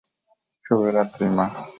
শুভ রাত্রি, মা।